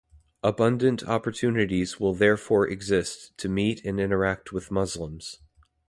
Abundant opportunities will therefore exist to meet and interact with Muslims.